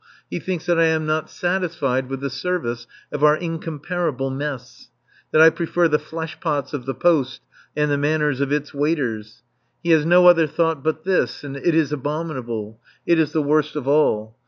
He thinks that I am not satisfied with the service of our incomparable mess; that I prefer the flesh pots of the "Poste" and the manners of its waiters. He has no other thought but this, and it is abominable; it is the worst of all.